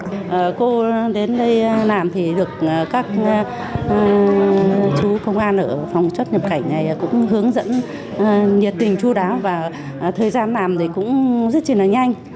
các cô đến đây làm thì được các chú công an ở phòng xuất nhập cảnh này cũng hướng dẫn nhiệt tình chú đáo và thời gian làm thì cũng rất là nhanh